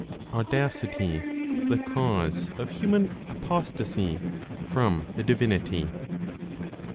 AUDACITY THE CAUSE OF HUMAN APOSTASY FROM THE DIVINITY.